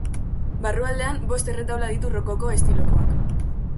Barrualdean, bost erretaula ditu rokoko estilokoak.